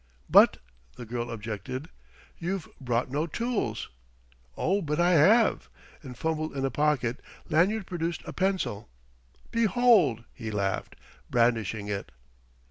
"But," the girl objected, "You've brought no tools!" "Oh, but I have!" And fumbling in a pocket, Lanyard produced a pencil. "Behold!" he laughed, brandishing it.